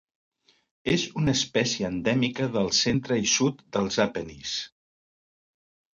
És una espècie endèmica del centre i sud dels Apenins.